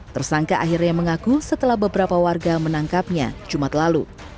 tersangka akhirnya mengaku setelah beberapa warga menangkapnya jumat lalu